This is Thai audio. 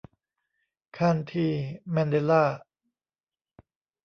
คานธี แมนเดลลา